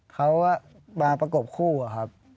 เขามาประกบคู่อะครับ